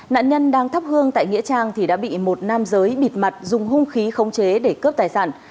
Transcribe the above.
nạn nhân đang thắp hương tại nghĩa trang thì đã bị một nam giới bịt mặt dùng hung khí khống chế để cướp tài sản